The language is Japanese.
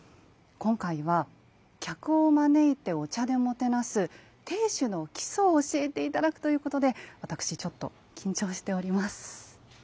今回は客を招いてお茶でもてなす亭主の基礎を教えて頂くということで私ちょっと緊張しております。